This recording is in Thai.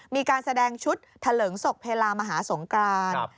มีการแสดงชุดเถลิงศกเพลามหาสงกราน